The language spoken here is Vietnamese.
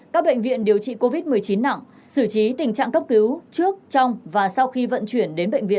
các bệnh viện điều trị covid một mươi chín nặng xử trí tình trạng cấp cứu trước trong và sau khi vận chuyển đến bệnh viện